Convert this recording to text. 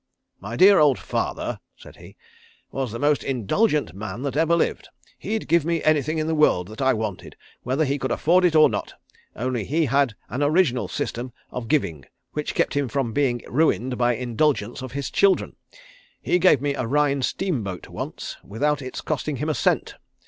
"My dear old father," said he, "was the most indulgent man that ever lived. He'd give me anything in the world that I wanted whether he could afford it or not, only he had an original system of giving which kept him from being ruined by indulgence of his children. He gave me a Rhine steamboat once without its costing him a cent.